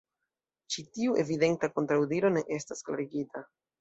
Ĉi tiu evidenta kontraŭdiro ne estas klarigita.